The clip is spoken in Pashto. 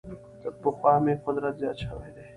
تر پخوا مي قدر زیات شوی دی .